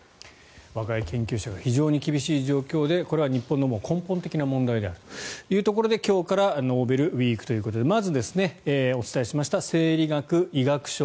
若い研究者が非常に厳しい状況でこれは日本の根本的な問題であるというところで今日からノーベルウィークということでまず、お伝えしました生理学医学賞